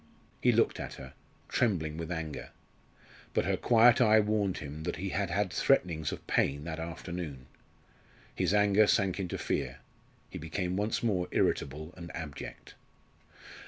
He looked at her, trembling with anger. But her quiet eye warned him that he had had threatenings of pain that afternoon. His anger sank into fear. He became once more irritable and abject.